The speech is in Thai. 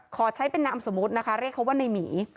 ขอใช้เป็นนามสมมุตินะคะเรียกเขาว่าในหมี